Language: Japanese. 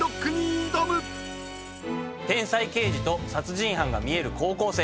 天才刑事と殺人犯が見える高校生が。